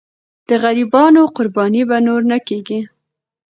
د غریبانو قرباني به نور نه کېږي.